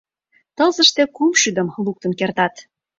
Тылзыште кум шӱдым луктын кертат.